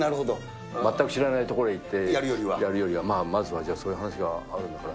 全く知らない所へ行ってやるよりは、まずはじゃあそういう話があるんだから。